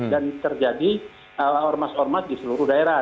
dan terjadi ormas ormas di seluruh daerah